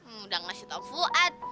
mudah ngasih tau fuad